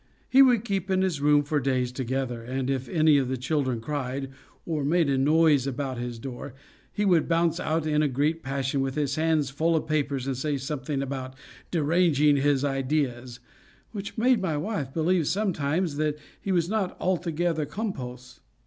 He would keep in his room for days together, and if any of the children cried, or made a noise about his door, he would bounce out in a great passion, with his hands full of papers, and say something about "deranging his ideas;" which made my wife believe sometimes that he was not altogether compos.